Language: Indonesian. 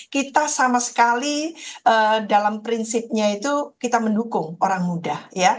kita sama sekali dalam prinsipnya itu kita mendukung orang muda